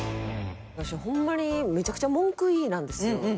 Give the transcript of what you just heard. ワシホンマにめちゃくちゃ文句言いなんですよ。